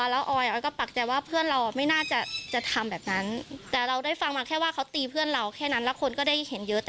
ให้พาเพื่อนกลับมาแล้วก็ตามคดีให้หน่อย